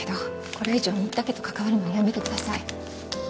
これ以上新田家と関わるのはやめてください